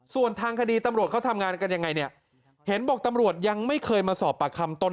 ส่วนทางคดีตำรวจเขาทำงานกันยังไงเนี่ยเห็นบอกตำรวจยังไม่เคยมาสอบปากคำตน